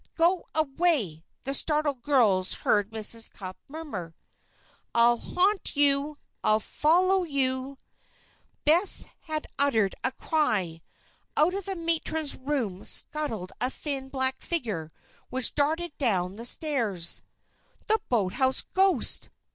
Go away!" the startled girls heard Mrs. Cupp murmur. "I'll haunt you! I'll foller you " Bess had uttered a cry. Out of the matron's room scuttled a thin, black figure, which darted down the stairs. "The boathouse ghost!"